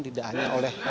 tidak hanya oleh